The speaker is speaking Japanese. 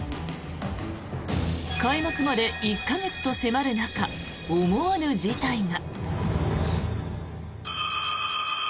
開幕まで１か月と迫る中思わぬ事態が。